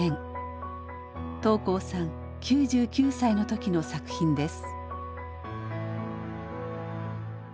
桃紅さん９９歳の時の作品です。